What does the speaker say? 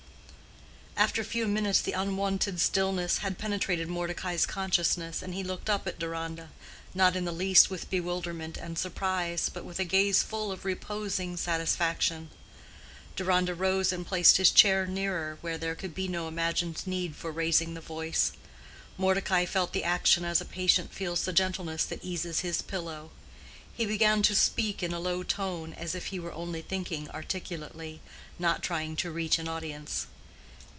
After a few minutes the unwonted stillness had penetrated Mordecai's consciousness, and he looked up at Deronda, not in the least with bewilderment and surprise, but with a gaze full of reposing satisfaction. Deronda rose and placed his chair nearer, where there could be no imagined need for raising the voice. Mordecai felt the action as a patient feels the gentleness that eases his pillow. He began to speak in a low tone, as if he were only thinking articulately, not trying to reach an audience.